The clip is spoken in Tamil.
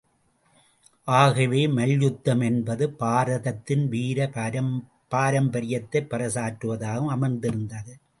ஆகவே, மல்யுத்தம் என்பது பாரதத்தின் வீர பாரம்பரியத்தைப் பறைசாற்றுவதாகவும் அமைந்திருக்கிறது.